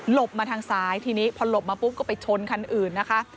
มาทางซ้ายทีนี้พอหลบมาปุ๊บก็ไปชนคันอื่นนะคะ